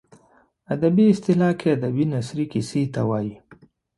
ادبي اصطلاح کې ادبي نثري کیسې ته وايي.